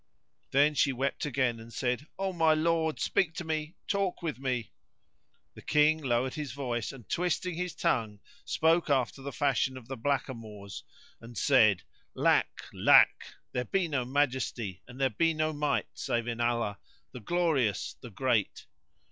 Then she wept again and said, "O my lord! speak to me, talk with me!" The King lowered his voice and, twisting his tongue, spoke after the fashion of the blackamoors and said "'lack! 'lack! there be no Ma'esty and there be no Might save in Allauh, the Gloriose, the Great!"